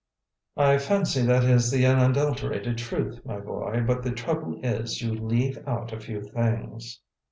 "I fancy that is the unadulterated truth, my boy, but the trouble is, you leave out a few things."